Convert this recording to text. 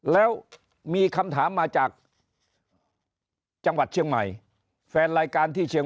แล้วมีคำถามมาจากจังหวัดเชียงใหม่แฟนรายการที่เชียง